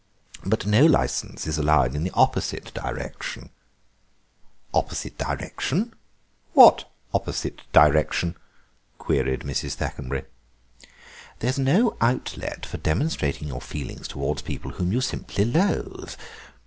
But no licence is allowed in the opposite direction." "Opposite direction; what opposite direction?" queried Mrs. Thackenbury. "There is no outlet for demonstrating your feelings towards people whom you simply loathe.